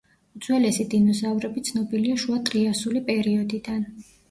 უძველესი დინოზავრები ცნობილია შუა ტრიასული პერიოდიდან.